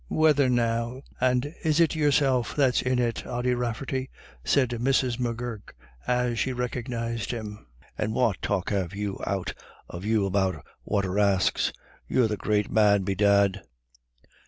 "Whethen now and is it yourself that's in it, Ody Rafferty?" said Mrs. M'Gurk, as she recognised him. "And what talk have you out of you about waterasks? You're the great man, bedad."